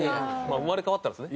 生まれ変わったらですね。